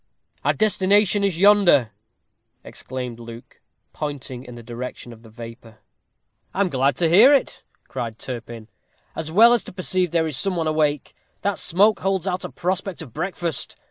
"Our destination is yonder," exclaimed Luke, pointing in the direction of the vapor. "I am glad to hear it," cried Turpin, "as well as to perceive there is some one awake. That smoke holds out a prospect of breakfast.